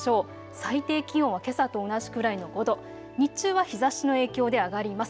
最低気温はけさと同じくらいの５度、日中は日ざしの影響で上がります。